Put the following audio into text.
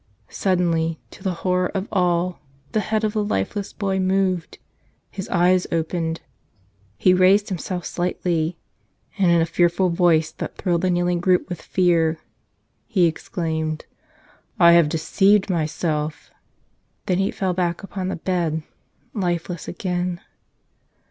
Suddenly, to the horror of all, the head of the lifeless boy moved, his eyes opened, he raised him¬ self slightly; and in a fearful voice that thrilled the kneeling group with fear, he exclaimed, "I have de¬ ceived myself." Then he fell back upon the bed, life¬ less again.